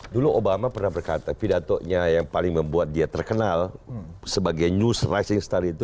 dulu obama pernah berkata pidatonya yang paling membuat dia terkenal sebagai news rising star itu